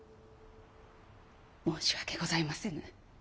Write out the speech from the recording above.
申し訳ございませぬ。